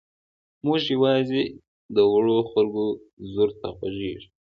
موږ یوازې د وړو خلکو ځور ته غږېږو.